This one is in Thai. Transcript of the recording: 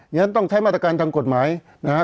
ฉะนั้นต้องใช้มาตรการทางกฎหมายนะฮะ